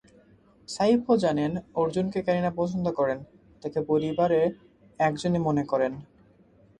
সাইফও জানেন অর্জুনকে কারিনা পছন্দ করেন, তাঁকে পরিবারে একজনই মনে করেন।